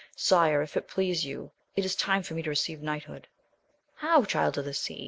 Sire, if it please you, it is time for me to receive knighthood. How, Child of the Sea !